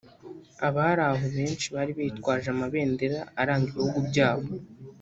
Abari aho benshi bari bitwaje amabendera aranga ibihugu byabo